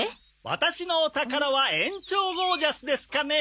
ワタシのお宝は園長ゴージャスですかね！